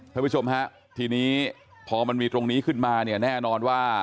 ผู้ชมฮะทีนี้พอมันมีตรงนี้ขึ้นมาเนี่ยแน่นอนว่า